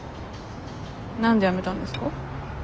何で辞めたんですか？